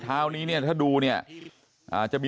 เพราะฉะนั้นสิ่งที่เป็นปริศนาอยู่ในขณะนี้ก็คือรอยเท้าบนผืนทรายตรงนั้น